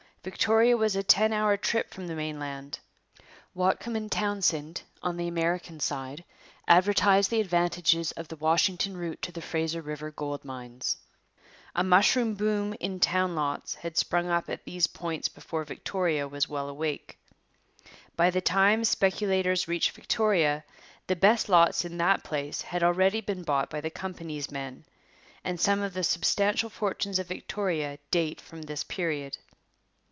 Victoria was a ten hour trip from the mainland. Whatcom and Townsend, on the American side, advertised the advantages of the Washington route to the Fraser river gold mines. A mushroom boom in town lots had sprung up at these points before Victoria was well awake. By the time speculators reached Victoria the best lots in that place had already been bought by the company's men; and some of the substantial fortunes of Victoria date from this period.